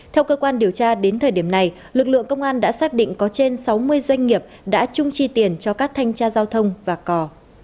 theo cơ quan điều tra đến thời điểm này lực lượng công an đã xác định có trên sáu mươi doanh nghiệp đã chung chi tiền cho các thanh tra giao thông và cò